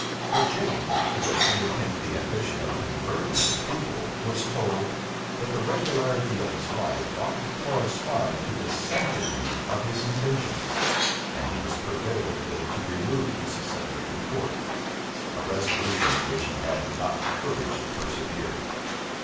But James, who had entertained the ambition of converting his people, was told, that the regularity of his life ought to correspond to the sanctity of his intentions; and he was prevailed with to remove Mrs. Sedley from court; a resolution in which he had not the courage to persevere.